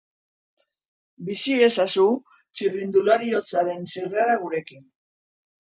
Bizi ezazu txirrindulariotzaren zirrara gurekin.